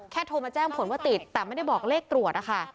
โทรมาแจ้งผลว่าติดแต่ไม่ได้บอกเลขตรวจนะคะ